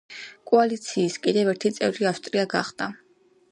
კოალიციის კიდევ ერთი წევრი ავსტრია გახდა.